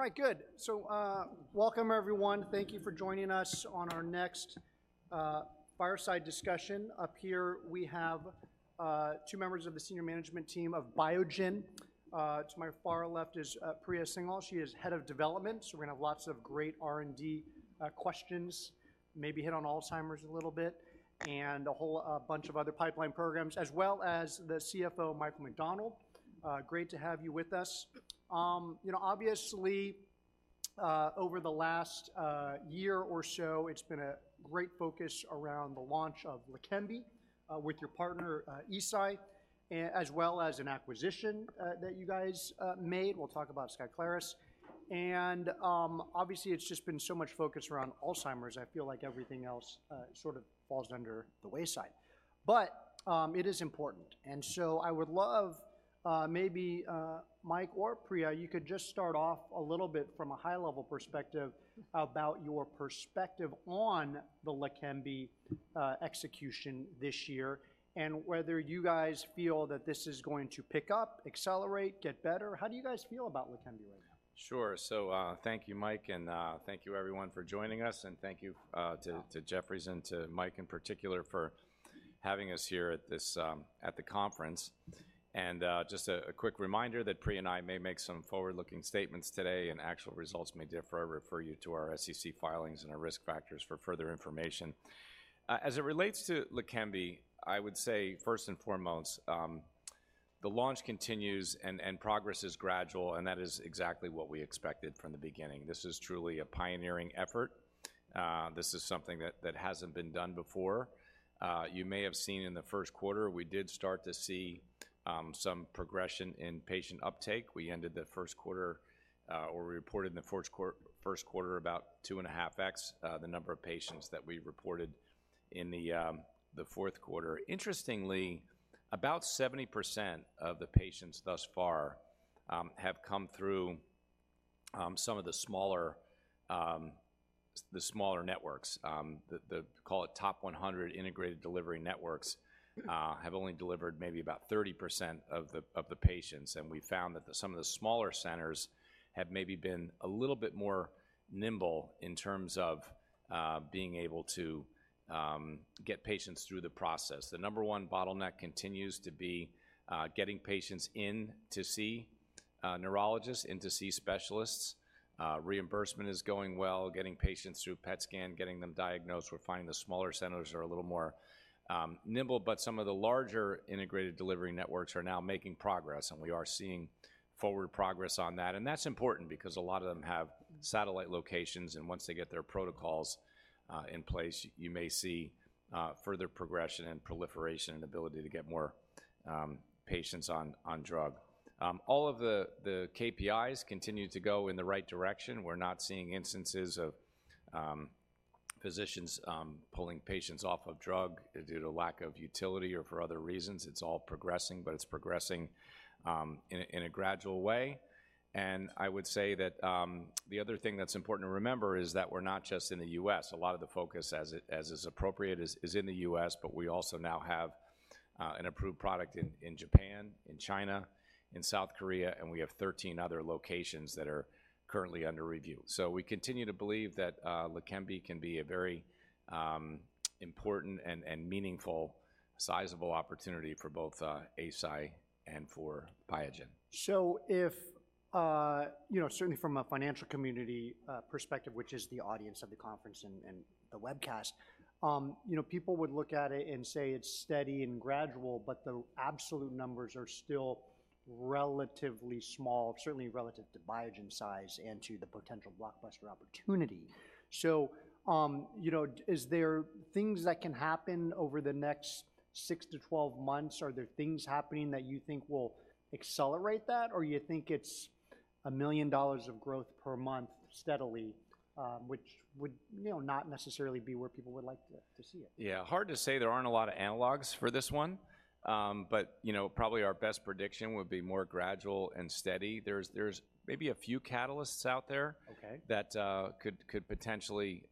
All right, good. So, welcome everyone. Thank you for joining us on our next fireside discussion. Up here, we have two members of the senior management team of Biogen. To my far left is Priya Singhal. She is Head of Development, so we're gonna have lots of great R&D questions, maybe hit on Alzheimer's a little bit, and a whole bunch of other pipeline programs, as well as the CFO, Michael McDonnell. Great to have you with us. You know, obviously, over the last year or so, it's been a great focus around the launch of LEQEMBI with your partner Eisai, as well as an acquisition that you guys made. We'll talk about SKYCLARIS. And obviously, it's just been so much focused around Alzheimer's. I feel like everything else, sort of falls under the wayside. But, it is important, and so I would love, maybe, Mike or Priya, you could just start off a little bit from a high level perspective about your perspective on the LEQEMBI, execution this year, and whether you guys feel that this is going to pick up, accelerate, get better. How do you guys feel about LEQEMBI right now? Sure. So, thank you, Mike, and thank you everyone for joining us, and thank you to Jefferies and to Mike in particular for having us here at this conference. Just a quick reminder that Priya and I may make some forward-looking statements today, and actual results may differ. I refer you to our SEC filings and our risk factors for further information. As it relates to LEQEMBI, I would say, first and foremost, the launch continues and progress is gradual, and that is exactly what we expected from the beginning. This is truly a pioneering effort. This is something that hasn't been done before. You may have seen in the first quarter, we did start to see some progression in patient uptake. We ended the first quarter, or we reported in the first quarter about 2.5x the number of patients that we reported in the fourth quarter. Interestingly, about 70% of the patients thus far have come through some of the smaller networks. The call it top 100 integrated delivery networks have only delivered maybe about 30% of the patients, and we found that some of the smaller centers have maybe been a little bit more nimble in terms of being able to get patients through the process. The number one bottleneck continues to be getting patients in to see neurologists, in to see specialists. Reimbursement is going well, getting patients through PET scan, getting them diagnosed. We're finding the smaller centers are a little more nimble, but some of the larger integrated delivery networks are now making progress, and we are seeing forward progress on that. And that's important because a lot of them have satellite locations, and once they get their protocols in place, you may see further progression and proliferation, and ability to get more patients on drug. All of the KPIs continue to go in the right direction. We're not seeing instances of physicians pulling patients off of drug due to lack of utility or for other reasons. It's all progressing, but it's progressing in a gradual way. And I would say that the other thing that's important to remember is that we're not just in the US. A lot of the focus, as it is appropriate, is in the U.S., but we also now have an approved product in Japan, in China, in South Korea, and we have 13 other locations that are currently under review. So we continue to believe that LEQEMBI can be a very important and meaningful, sizable opportunity for both Eisai and for Biogen. So if, you know, certainly from a financial community perspective, which is the audience of the conference and the webcast, you know, people would look at it and say it's steady and gradual, but the absolute numbers are still relatively small, certainly relative to Biogen size and to the potential blockbuster opportunity. So, you know, is there things that can happen over the next 6 to 12 months? Are there things happening that you think will accelerate that, or you think it's $1 million of growth per month steadily, which would, you know, not necessarily be where people would like to see it? Yeah. Hard to say. There aren't a lot of analogs for this one. But, you know, probably our best prediction would be more gradual and steady. There's maybe a few catalysts out there- Okay... that could potentially,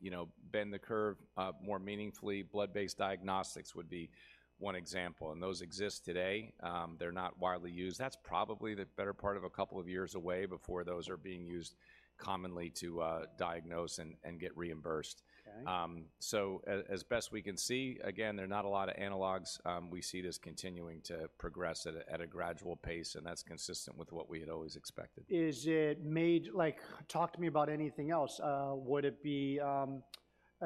you know, bend the curve more meaningfully. Blood-based diagnostics would be one example, and those exist today. They're not widely used. That's probably the better part of a couple of years away before those are being used commonly to diagnose and get reimbursed. Okay. So as best we can see, again, there are not a lot of analogs. We see this continuing to progress at a gradual pace, and that's consistent with what we had always expected. Is it made-- Like, talk to me about anything else. Would it be,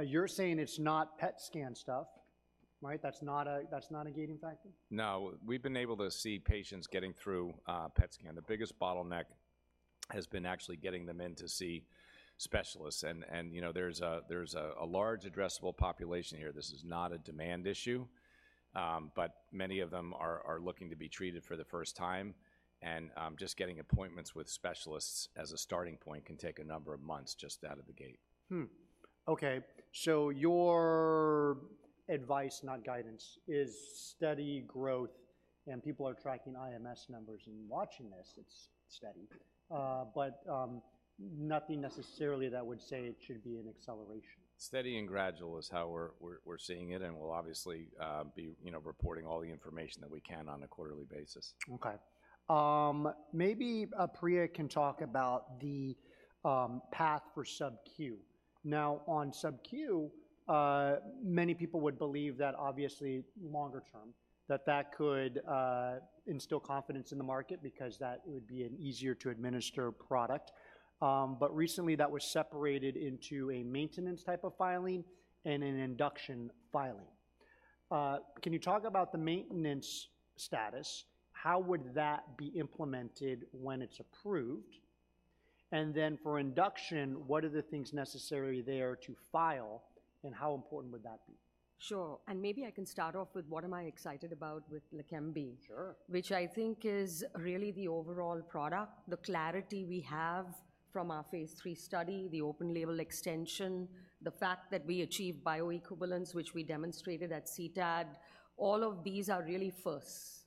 you're saying it's not PET scan stuff, right? That's not a, that's not a gating factor? No. We've been able to see patients getting through PET scan. The biggest bottleneck has been actually getting them in to see specialists and, you know, there's a large addressable population here. This is not a demand issue, but many of them are looking to be treated for the first time, and just getting appointments with specialists as a starting point can take a number of months just out of the gate. Hmm. Okay, so your advice, not guidance, is steady growth, and people are tracking IMS numbers and watching this. It's steady. But nothing necessarily that would say it should be an acceleration. Steady and gradual is how we're seeing it, and we'll obviously be, you know, reporting all the information that we can on a quarterly basis. Okay. Maybe Priya can talk about the path for sub-Q. Now, on sub-Q, many people would believe that obviously longer term, that that could instill confidence in the market because that would be an easier-to-administer product. But recently, that was separated into a maintenance type of filing and an induction filing. Can you talk about the maintenance status? How would that be implemented when it's approved? And then for induction, what are the things necessary there to file, and how important would that be? Sure. Maybe I can start off with what am I excited about with LEQEMBI- Sure... which I think is really the overall product, the clarity we have from our phase three study, the open-label extension, the fact that we achieved bioequivalence, which we demonstrated at CTAD. All of these are really firsts.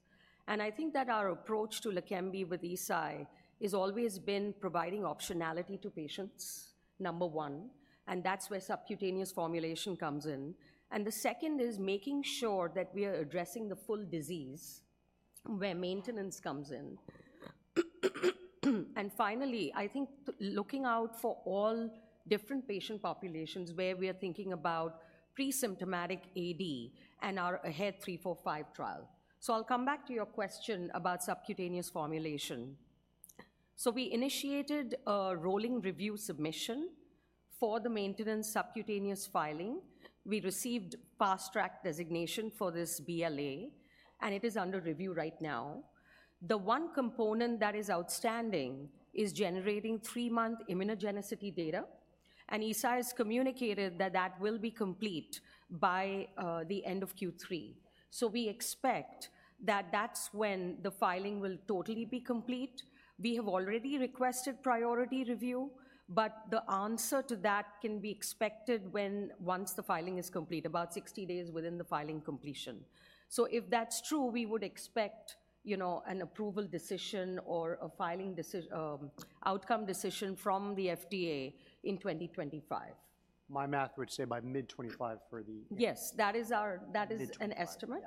And I think that our approach to LEQEMBI with Eisai has always been providing optionality to patients, number one, and that's where subcutaneous formulation comes in. And the second is making sure that we are addressing the full disease, where maintenance comes in. And finally, I think looking out for all different patient populations, where we are thinking about pre-symptomatic AD and our AHEAD 3-45 trial. So I'll come back to your question about subcutaneous formulation. So we initiated a rolling review submission for the maintenance subcutaneous filing. We received fast track designation for this BLA, and it is under review right now. The one component that is outstanding is generating three-month immunogenicity data, and Eisai has communicated that that will be complete by the end of Q3. So we expect that that's when the filing will totally be complete. We have already requested priority review, but the answer to that can be expected once the filing is complete, about 60 days within the filing completion. So if that's true, we would expect, you know, an approval decision or a filing outcome decision from the FDA in 2025. My math would say by mid-2025 for the- Yes, that is our- Mid-twenty-five. That is an estimate.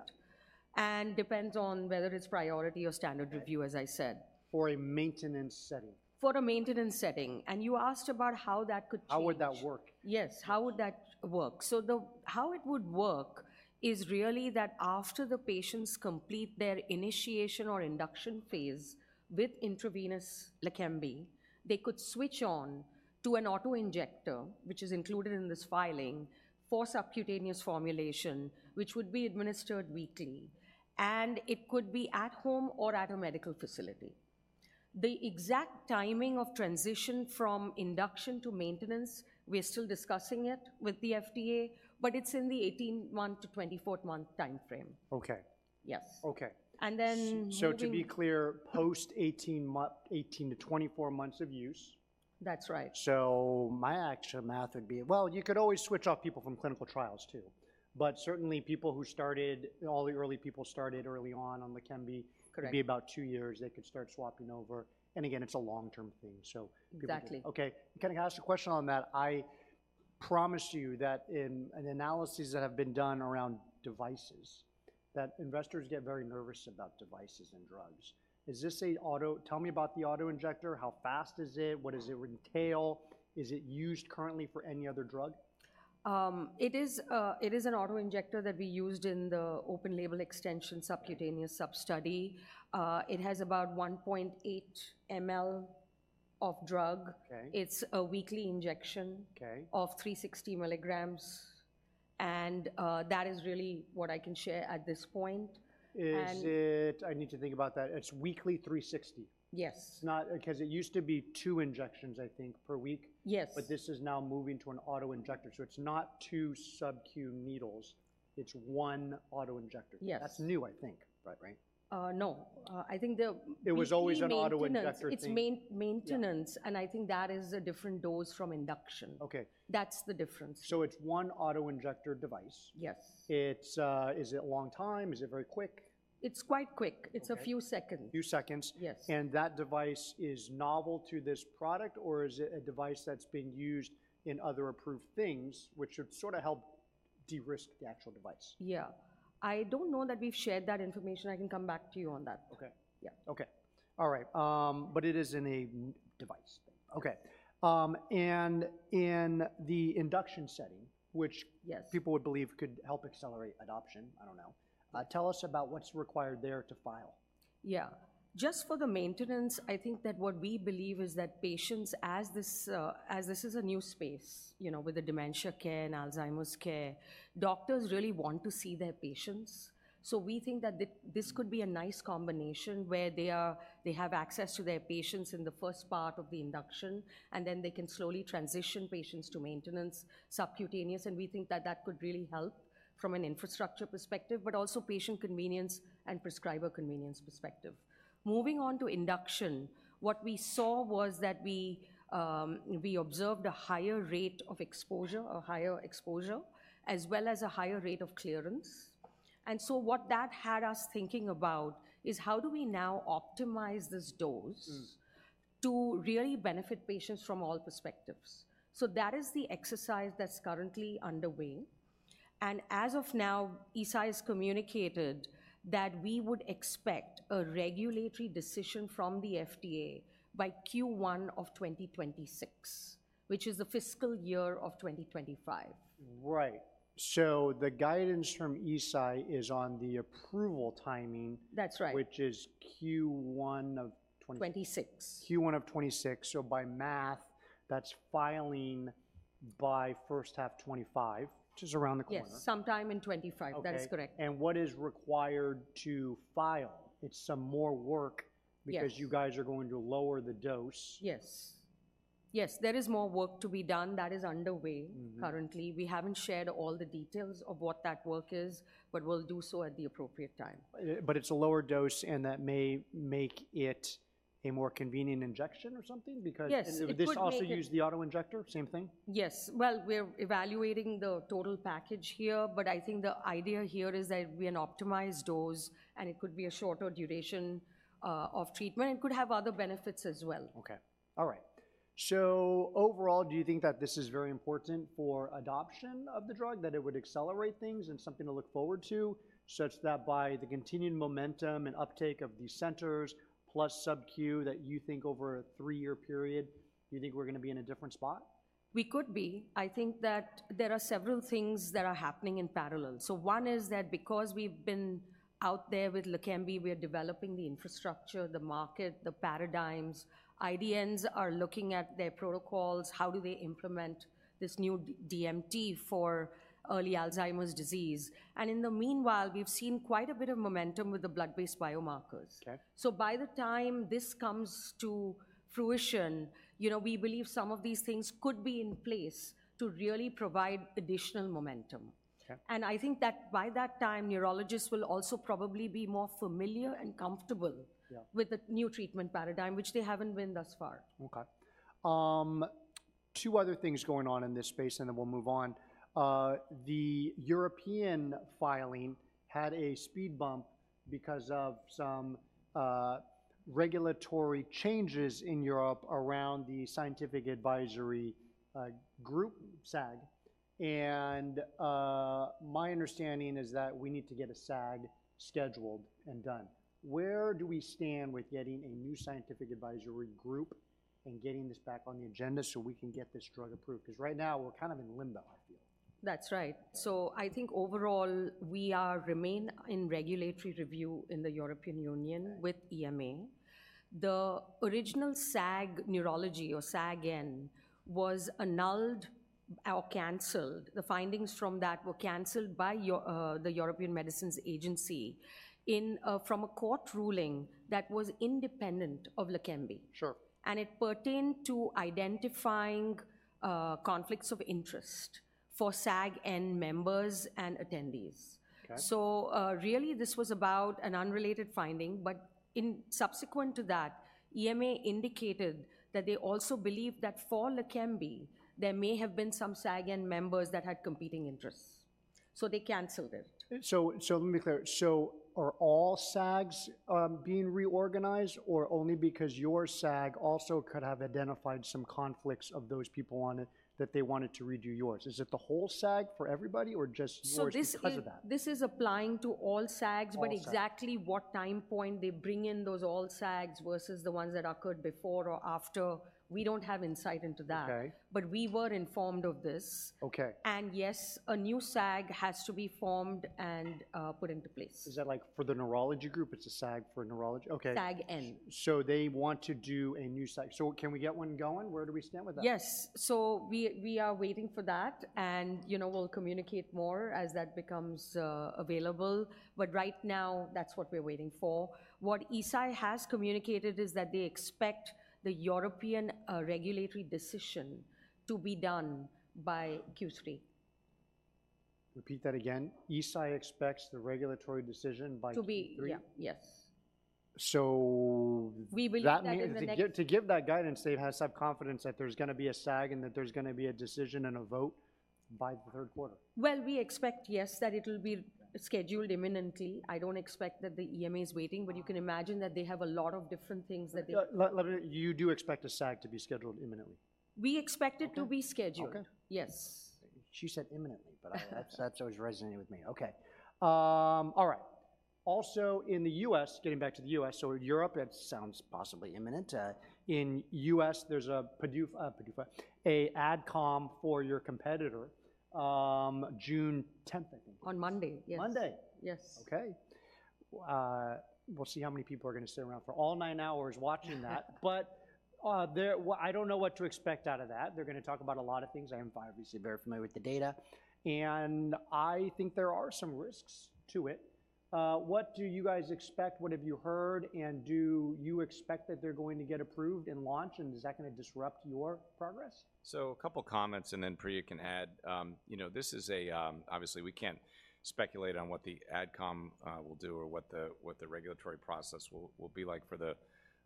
Yeah. Depends on whether it's priority or standard review. Right... as I said. For a maintenance setting. For a maintenance setting, and you asked about how that could change. How would that work? Yes, how would that work? So how it would work is really that after the patients complete their initiation or induction phase with intravenous LEQEMBI, they could switch on to an auto-injector, which is included in this filing, for subcutaneous formulation, which would be administered weekly. And it could be at home or at a medical facility. The exact timing of transition from induction to maintenance, we are still discussing it with the FDA, but it's in the 18-month to 24-month timeframe. Okay. Yes. Okay. And then moving- So, to be clear, post 18 to 24 months of use? That's right. So my actual math would be... Well, you could always switch off people from clinical trials, too. But certainly, people who started-- all the early people started early on on LEQEMBI- Correct... it would be about 2 years, they could start swapping over, and again, it's a long-term thing, so good- Exactly. Okay. Can I ask a question on that? I promise you that in analyses that have been done around devices, that investors get very nervous about devices and drugs. Is this an auto-injector? Tell me about the auto-injector. How fast is it? What does it entail? Is it used currently for any other drug? It is an auto-injector that we used in the open-label extension subcutaneous sub-study. It has about 1.8 mL of drug. Okay. It's a weekly injection- Okay... of 360 milligrams, and, that is really what I can share at this point. And- Is it? I need to think about that. It's weekly 360? Yes. It's not because it used to be 2 injections, I think, per week. Yes. But this is now moving to an auto-injector, so it's not two sub-Q needles, it's one auto-injector. Yes. That's new, I think, right? Right. No. I think the- It was always an auto-injector thing. It's maintenance. Yeah... and I think that is a different dose from induction. Okay. That's the difference. It's one auto-injector device? Yes. It's... Is it a long time? Is it very quick? It's quite quick. Okay. It's a few seconds. Few seconds. Yes. That device is novel to this product, or is it a device that's being used in other approved things, which should sort of help de-risk the actual device? Yeah. I don't know that we've shared that information. I can come back to you on that. Okay. Yeah. Okay. All right. But it is in a device? Yes. Okay. And in the induction setting, which- Yes... people would believe could help accelerate adoption, I don't know. Tell us about what's required there to file. Yeah. Just for the maintenance, I think that what we believe is that patients, as this is a new space, you know, with the dementia care and Alzheimer's care, doctors really want to see their patients. So we think that this could be a nice combination where they have access to their patients in the first part of the induction, and then they can slowly transition patients to maintenance, subcutaneous, and we think that that could really help from an infrastructure perspective, but also patient convenience and prescriber convenience perspective. Moving on to induction, what we saw was that we observed a higher rate of exposure, a higher exposure, as well as a higher rate of clearance. And so what that had us thinking about is: how do we now optimize this dose? Mm. -to really benefit patients from all perspectives? So that is the exercise that's currently underway, and as of now, Eisai has communicated that we would expect a regulatory decision from the FDA by Q1 of 2026, which is the fiscal year of 2025. Right. So the guidance from Eisai is on the approval timing- That's right. -which is Q1 of 20- Twenty-six. Q1 of 2026. So by math, that's filing by first half 2025, which is around the corner. Yes, sometime in 2025. Okay. That is correct. What is required to file? It's some more work- Yes... because you guys are going to lower the dose. Yes. Yes, there is more work to be done. That is underway- Mm-hmm... currently. We haven't shared all the details of what that work is, but we'll do so at the appropriate time. But it's a lower dose, and that may make it a more convenient injection or something? Because- Yes, it would make it- Would this also use the auto-injector, same thing? Yes. Well, we're evaluating the total package here, but I think the idea here is that it'd be an optimized dose, and it could be a shorter duration of treatment, and could have other benefits as well. Okay. All right. So overall, do you think that this is very important for adoption of the drug, that it would accelerate things and something to look forward to, such that by the continued momentum and uptake of these centers, plus subQ, that you think over a three-year period, do you think we're gonna be in a different spot? We could be. I think that there are several things that are happening in parallel. So one is that because we've been out there with LEQEMBI, we are developing the infrastructure, the market, the paradigms. IDNs are looking at their protocols. How do they implement this new DMT for early Alzheimer's disease? And in the meanwhile, we've seen quite a bit of momentum with the blood-based biomarkers. Okay. By the time this comes to fruition, you know, we believe some of these things could be in place to really provide additional momentum. Okay. I think that by that time, neurologists will also probably be more familiar and comfortable- Yeah... with the new treatment paradigm, which they haven't been thus far. Okay. Two other things going on in this space, and then we'll move on. The European filing had a speed bump because of some regulatory changes in Europe around the Scientific Advisory Group, SAG, and my understanding is that we need to get a SAG scheduled and done. Where do we stand with getting a new scientific advisory group and getting this back on the agenda so we can get this drug approved? 'Cause right now, we're kind of in limbo, I feel. That's right. Yeah. I think overall, we remain in regulatory review in the European Union. Okay... with EMA. The original SAG Neurology, or SAG-N, was annulled or canceled. The findings from that were canceled by the European Medicines Agency from a court ruling that was independent of LEQEMBI. Sure. It pertained to identifying conflicts of interest for SAG-N members and attendees. Okay. Really, this was about an unrelated finding, but in subsequent to that, EMA indicated that they also believe that for LEQEMBI, there may have been some SAG-N members that had competing interests, so they canceled it. So, so let me be clear. So are all SAGs being reorganized, or only because your SAG also could have identified some conflicts of those people on it, that they wanted to redo yours? Is it the whole SAG for everybody, or just yours because of that? So this is applying to all SAGs. All SAGs.... but exactly what time point they bring in those all SAGs versus the ones that occurred before or after, we don't have insight into that. Okay. But we were informed of this. Okay. Yes, a new SAG has to be formed and put into place. Is that, like, for the neurology group, it's a SAG for neurology? Okay. SAG-N. So they want to do a new SAG. So can we get one going? Where do we stand with that? Yes. So we are waiting for that, and, you know, we'll communicate more as that becomes available. But right now, that's what we're waiting for. What Eisai has communicated is that they expect the European regulatory decision to be done by Q3. Repeat that again. Eisai expects the regulatory decision by Q3? Yeah. Yes. So- We believe that in the next- That means to give that guidance, they have to have confidence that there's gonna be a SAG and that there's gonna be a decision and a vote by the third quarter. Well, we expect, yes, that it'll be- Okay... scheduled imminently. I don't expect that the EMA is waiting- Wow... but you can imagine that they have a lot of different things that they- Let me... You do expect a SAG to be scheduled imminently? We expect it- Okay... to be scheduled. Okay. Yes. She said imminently, but that's, that's what is resonating with me. Okay. All right. Also, in the U.S., getting back to the U.S., so Europe, it sounds possibly imminent. In U.S., there's a PDUFA, PDUFA, an AdCom for your competitor, June tenth, I think. On Monday, yes. Monday! Yes. Okay. We'll see how many people are gonna sit around for all nine hours watching that. But, well, I don't know what to expect out of that. They're gonna talk about a lot of things. I am obviously very familiar with the data, and I think there are some risks to it. What do you guys expect, what have you heard, and do you expect that they're going to get approved and launch, and is that gonna disrupt your progress? So a couple comments, and then Priya can add. You know, this is a... Obviously, we can't speculate on what the AdCom will do or what the regulatory process will be like for the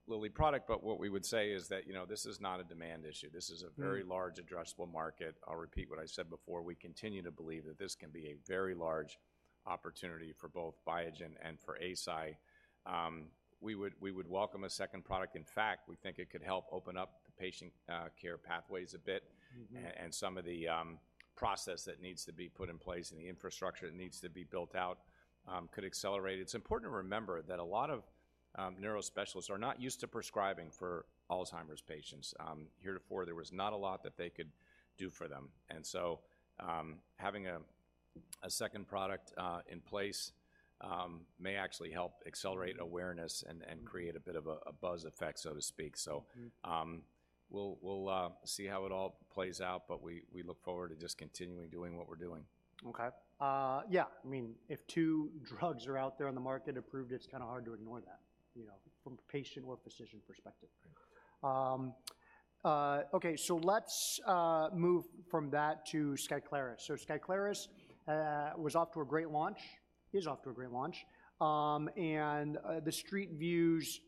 Lilly product. But what we would say is that, you know, this is not a demand issue. This is a- Mm... very large addressable market. I'll repeat what I said before: we continue to believe that this can be a very large opportunity for both Biogen and for Eisai. We would, we would welcome a second product. In fact, we think it could help open up the patient care pathways a bit. Mm-hmm. And some of the process that needs to be put in place and the infrastructure that needs to be built out could accelerate. It's important to remember that a lot of neuro specialists are not used to prescribing for Alzheimer's patients. Heretofore, there was not a lot that they could do for them, and so, having a second product in place may actually help accelerate awareness- Mm... and create a bit of a buzz effect, so to speak. So- Mm... we'll see how it all plays out, but we look forward to just continuing doing what we're doing. Okay. Yeah, I mean, if two drugs are out there on the market approved, it's kinda hard to ignore that, you know, from a patient or physician perspective. Right. Okay, so let's move from that to SKYCLARIS. So SKYCLARIS was off to a great launch, is off to a great launch. The street views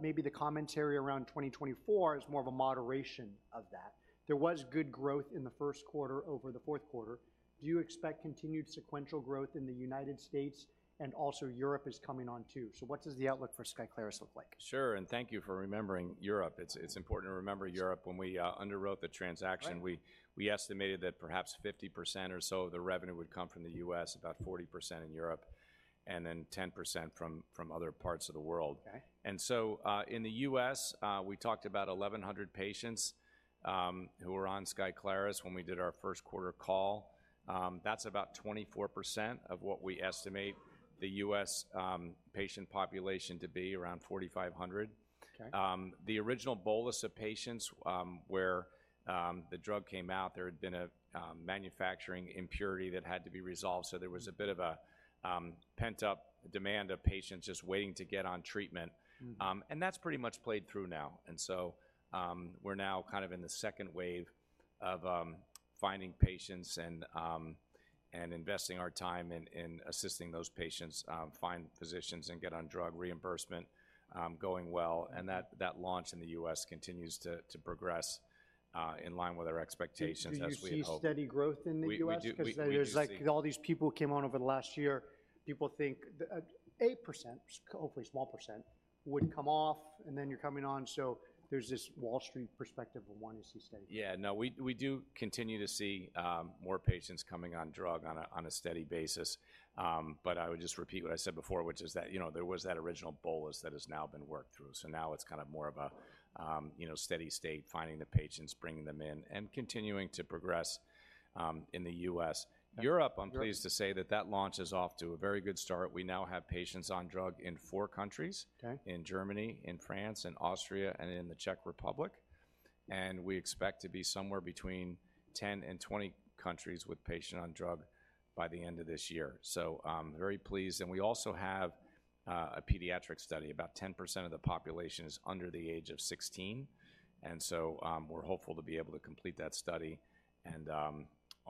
maybe the commentary around 2024 is more of a moderation of that. There was good growth in the first quarter over the fourth quarter. Do you expect continued sequential growth in the United States? And also, Europe is coming on, too, so what does the outlook for SKYCLARIS look like? Sure, and thank you for remembering Europe. Yeah. It's important to remember Europe. Sure. When we underwrote the transaction- Right... we estimated that perhaps 50% or so of the revenue would come from the U.S., about 40% in Europe, and then 10% from other parts of the world. Okay. And so, in the U.S., we talked about 1,100 patients, who were on SKYCLARIS when we did our first quarter call. That's about 24% of what we estimate the U.S. patient population to be, around 4,500. Okay. The original bolus of patients, where the drug came out, there had been a manufacturing impurity that had to be resolved, so there was- Mm... a bit of a pent-up demand of patients just waiting to get on treatment. Mm. And that's pretty much played through now, and so we're now kind of in the second wave of finding patients and investing our time in assisting those patients find physicians and get on drug reimbursement, going well. And that launch in the U.S. continues to progress in line with our expectations, as we had hoped. Do you see steady growth in the U.S.? We, we do. We do see- 'Cause there's, like, all these people who came on over the last year. People think that 8%, hopefully a small percent, would come off, and then you're coming on. So there's this Wall Street perspective of wanting to see steady. Yeah. No, we do continue to see more patients coming on drug on a steady basis. But I would just repeat what I said before, which is that, you know, there was that original bolus that has now been worked through. So now it's kind of more of a you know, steady state, finding the patients, bringing them in, and continuing to progress in the U.S. Yeah. Europe, I'm pleased to say that that launch is off to a very good start. We now have patients on drug in four countries- Okay... in Germany, in France, in Austria, and in the Czech Republic. And we expect to be somewhere between 10 and 20 countries with patient on drug by the end of this year. So, I'm very pleased. And we also have a pediatric study. About 10% of the population is under the age of 16, and so, we're hopeful to be able to complete that study and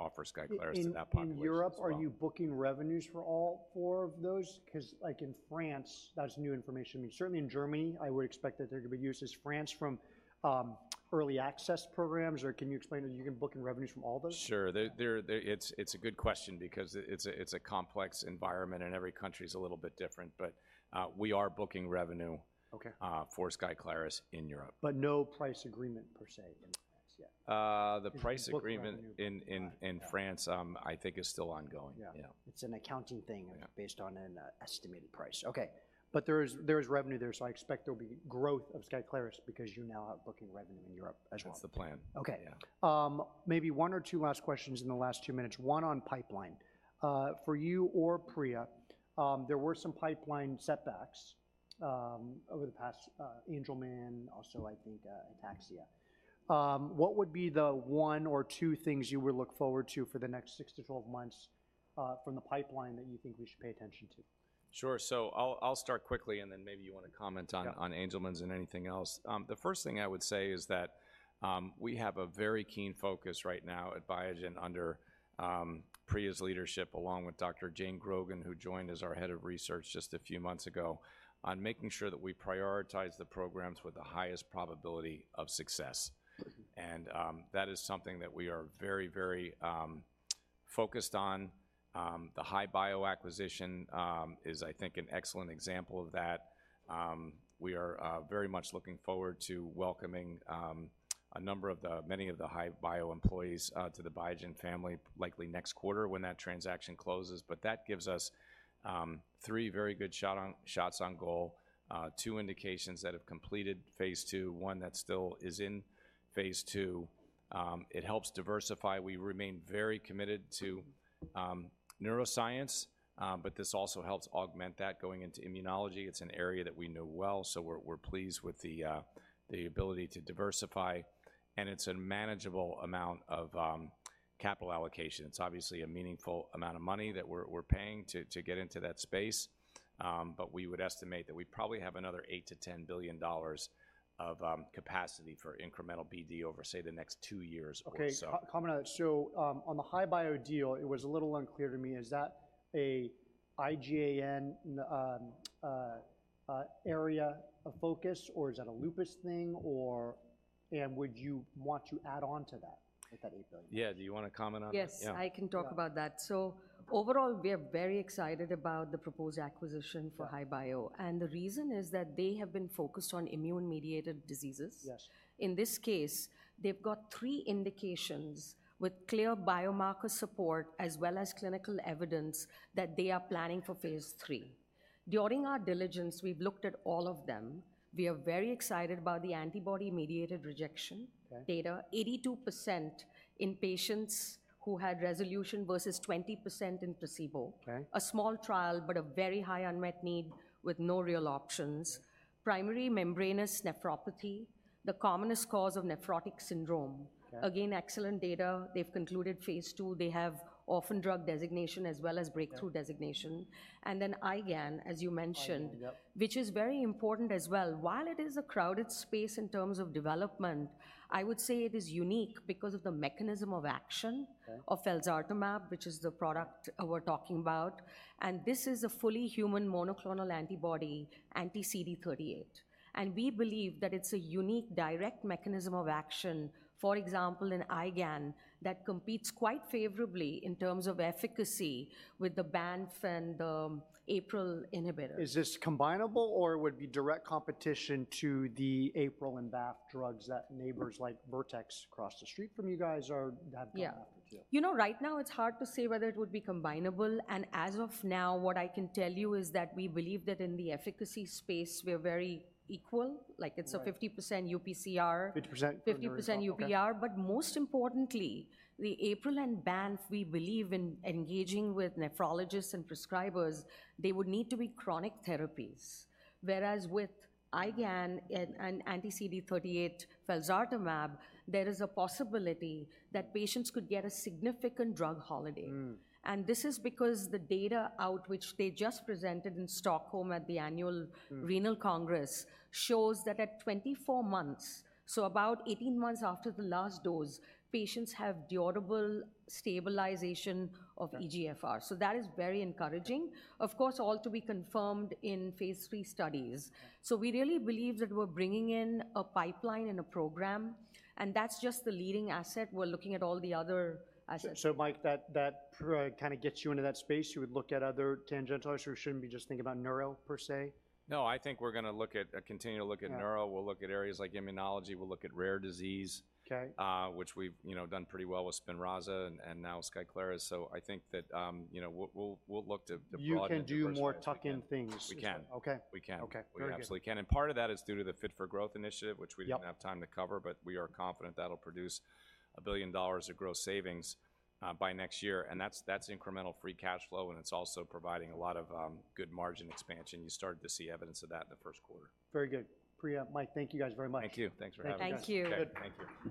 offer SKYCLARIS to that population as well. In Europe, are you booking revenues for all four of those? 'Cause like in France, that's new information. I mean, certainly in Germany, I would expect that they're gonna be used. Is France from early access programs, or can you explain that you're booking revenues from all those? Sure. It's a good question because it's a complex environment, and every country is a little bit different, but we are booking revenue- Okay... for SKYCLARIS in Europe. But no price agreement, per se, in France yet? The price agreement- You're booking revenue.... in France, I think is still ongoing. Yeah. Yeah. It's an accounting thing- Yeah... based on an estimated price. Okay, but there is, there is revenue there, so I expect there will be growth of SKYCLARIS because you now are booking revenue in Europe as well. That's the plan. Okay. Yeah. Maybe one or two last questions in the last two minutes, one on pipeline. For you or Priya, there were some pipeline setbacks over the past, Angelman, also, I think, ataxia. What would be the one or two things you would look forward to for the next six to 12 months from the pipeline that you think we should pay attention to? Sure. So I'll start quickly, and then maybe you wanna comment on- Yeah... on Angelman’s and anything else. The first thing I would say is that, we have a very keen focus right now at Biogen under, Priya’s leadership, along with Dr. Jane Grogan, who joined as our head of research just a few months ago, on making sure that we prioritize the programs with the highest probability of success. Mm-hmm. That is something that we are very, very focused on. The HI-Bio acquisition is, I think, an excellent example of that. We are very much looking forward to welcoming a number of the, many of the HI-Bio employees to the Biogen family, likely next quarter when that transaction closes. But that gives us three very good shots on goal, two indications that have completed phase two, one that still is in phase two. It helps diversify. We remain very committed to neuroscience, but this also helps augment that. Going into immunology, it's an area that we know well, so we're pleased with the ability to diversify, and it's a manageable amount of capital allocation. It's obviously a meaningful amount of money that we're paying to get into that space, but we would estimate that we probably have another $8 billion-$10 billion of capacity for incremental BD over, say, the next two years or so. Okay, quick comment on that. So, on the HI-Bio deal, it was a little unclear to me. Is that a IgAN area of focus, or is that a lupus thing, or and would you want to add on to that, with that $8 billion? Yeah, do you wanna comment on that? Yes- Yeah. I can talk about that. So overall, we are very excited about the proposed acquisition for HI-Bio, and the reason is that they have been focused on immune-mediated diseases. Yes. In this case, they've got three indications with clear biomarker support, as well as clinical evidence that they are planning for phase three. During our diligence, we've looked at all of them. We are very excited about the antibody-mediated rejection- Okay... data. 82% in patients who had resolution versus 20% in placebo. Okay. A small trial, but a very high unmet need with no real options. Okay. Primary membranous nephropathy, the commonest cause of nephrotic syndrome. Okay. Again, excellent data. They've concluded phase 2. They have orphan drug designation, as well as breakthrough- Yeah... designation, and then IgAN, as you mentioned- IgAN, yep... which is very important as well. While it is a crowded space in terms of development, I would say it is unique because of the mechanism of action- Okay... of felzartamab, which is the product we're talking about, and this is a fully human monoclonal antibody, anti-CD38. And we believe that it's a unique, direct mechanism of action, for example, in IgAN, that competes quite favorably in terms of efficacy with the BAFF and APRIL inhibitor. Is this combinable, or would it be direct competition to the APRIL and BAFF drugs that neighbors like Vertex across the street from you guys are, have going on, too? Yeah. You know, right now it's hard to say whether it would be combinable, and as of now, what I can tell you is that we believe that in the efficacy space, we're very equal. Like, it's a- Right... 50% UPCR. Fifty percent? 50% UPCR. Okay. But most importantly, the APRIL and BAFF, we believe in engaging with nephrologists and prescribers, they would need to be chronic therapies. Whereas with IgAN and anti-CD38 felzartamab, there is a possibility that patients could get a significant drug holiday. Mm. This is because the data out, which they just presented in Stockholm at the annual- Mm... renal congress, shows that at 24 months, so about 18 months after the last dose, patients have durable stabilization of- Okay... eGFR. So that is very encouraging. Of course, all to be confirmed in phase three studies. So we really believe that we're bringing in a pipeline and a program, and that's just the leading asset. We're looking at all the other assets. So, Mike, that kinda gets you into that space? You would look at other tangential, or should we be just thinking about neuro per se? No, I think we're gonna look at, continue to look at neuro. Yeah. We'll look at areas like immunology. We'll look at rare disease- Okay... which we've, you know, done pretty well with SPINRAZA and now SKYCLARIS. So I think that, you know, we'll look to broaden and diversify. You can do more tuck-in things. We can. Okay. We can. Okay, very good. We absolutely can, and part of that is due to the Fit for Growth initiative, which we- Yep... didn't have time to cover, but we are confident that'll produce $1 billion of gross savings by next year, and that's incremental free cash flow, and it's also providing a lot of good margin expansion. You started to see evidence of that in the first quarter. Very good. Priya, Mike, thank you guys very much. Thank you. Thanks for having us. Thank you. Okay, thank you.